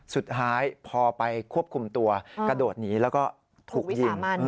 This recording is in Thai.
สุดท้ายพอไปควบคุมตัวกระโดดหนีแล้วก็ถูกยิง